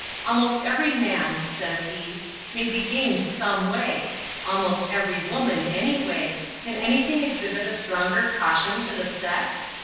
"Almost every man," says he, "may be gained some way, almost every woman any way, can any thing exhibit a stronger caution to the sex?"